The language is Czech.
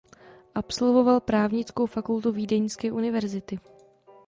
Absolvoval právnickou fakultu Vídeňské univerzity.